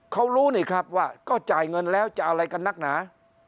เขารู้นี่ครับว่าก็จ่ายเงินแล้วจะอะไรกันนักหนา